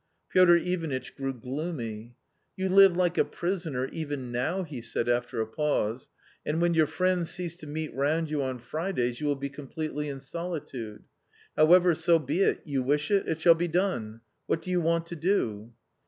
Piotr Ivanitch grew gloomy. "You live like a prisoner even now," he said, after a pause, " and when your friends cease to meet round you on Fridays, you will be completely in solitude. However, so be it ; you wish it .... it shall be done. What do you want to do